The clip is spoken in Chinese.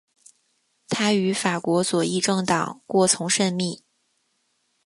他与法国左翼政党过从甚密。